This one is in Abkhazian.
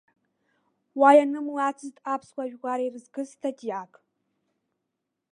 Уа ианымлацызт аԥсуа жәлар ирызкыз статиак.